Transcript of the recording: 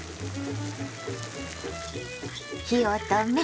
火を止め